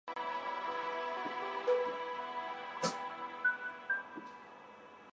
勒梅斯尼阿芒。